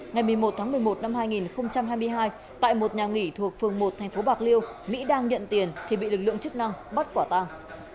ngày một mươi một tháng một mươi một năm hai nghìn hai mươi hai tại một nhà nghỉ thuộc phường một thành phố bạc liêu mỹ đang nhận tiền thì bị lực lượng chức năng bắt quả tàng